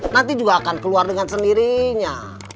nanti juga akan keluar dengan sendirinya